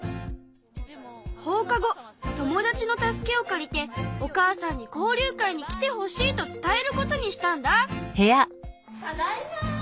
放課後友達の助けを借りてお母さんに交流会に来てほしいと伝えることにしたんだ。